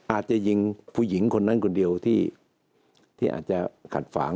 อาจจะยิงผู้หญิงคนนั้นคนเดียวที่อาจจะขัดฝาง